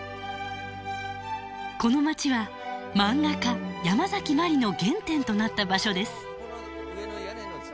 この街は漫画家ヤマザキマリの原点となった場所です。